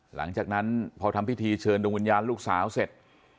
หลังจากนั้นพอทำพิธีเชิญดวงวิญญาณลูกสาวเสร็จ